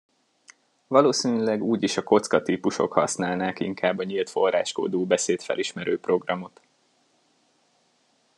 Valószínűleg úgyis a kocka típusok használnák inkább a nyílt forráskódú beszédfelismerő programot.